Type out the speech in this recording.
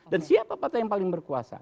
dan siapa partai yang paling berkuasa